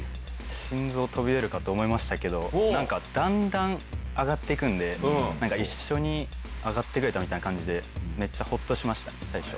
心臓が飛び出るかと思いましたけど、なんか、だんだん上がっていくんで、なんか一緒に上がってくれたみたいな感じで、めっちゃほっとしました、最初。